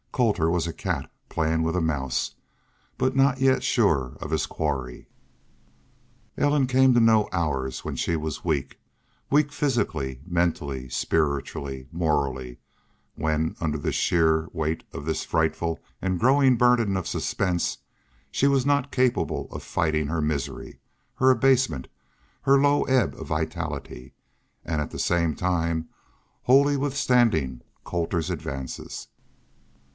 Colter was a cat playing with a mouse, but not yet sure of his quarry. Ellen came to know hours when she was weak weak physically, mentally, spiritually, morally when under the sheer weight of this frightful and growing burden of suspense she was not capable of fighting her misery, her abasement, her low ebb of vitality, and at the same time wholly withstanding Colter's advances.